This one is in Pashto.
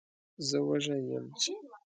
زه وږی یم.